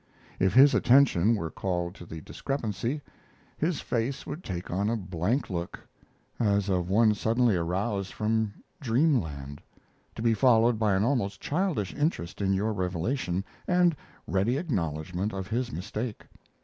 If his attention were called to the discrepancy, his face would take on a blank look, as of one suddenly aroused from dreamland, to be followed by an almost childish interest in your revelation and ready acknowledgment of his mistake.